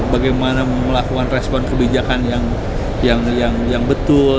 bagaimana melakukan respon kebijakan yang betul